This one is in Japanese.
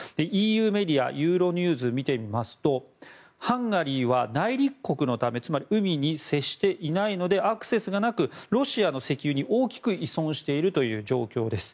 ＥＵメディアのユーロニュースを見てみますとハンガリーは内陸国のためつまり海に接していないのでアクセスがなくロシアの石油に大きく依存しているという状況です。